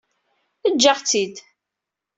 Eǧǧ-aɣ-tt-id